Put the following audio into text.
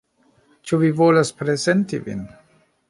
Ĉu vi volas prezenti vin